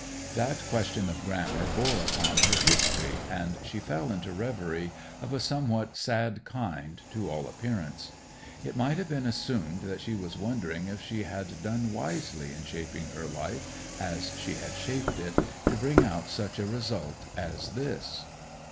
That question of grammar bore upon her history, and she fell into reverie, of a somewhat sad kind to all appearance. It might have been assumed that she was wondering if she had done wisely in shaping her life as she had shaped it, to bring out such a result as this.